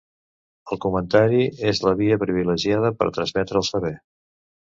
El comentari és la via privilegiada per transmetre el saber.